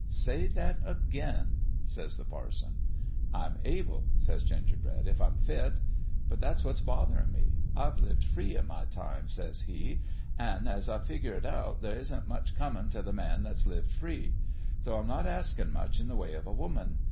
"' Say that again,' says the parson. "* I'm able,' says Gingerbread, ' if I'm fit. But that's what's botherin' me. I've lived free, in my time,' says he, ' an' as I figure it out there isn't much comin' t' the man that's lived free. So I'm not askin' much in the way of a woman.